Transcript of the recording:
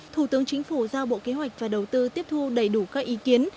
thủ tướng chính phủ giao bộ kế hoạch và đầu tư tiếp thu đầy đủ các ý kiến